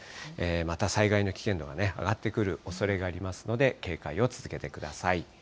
また災害の危険度が上がってくるおそれがありますので、警戒を続けてください。